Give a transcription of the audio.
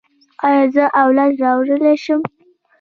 ایا زه اولاد راوړلی شم؟